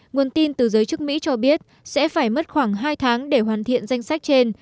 nguồn tin từ giới chức mỹ cho biết sẽ phải mất khoảng hai tháng để hoàn thiện danh sách trên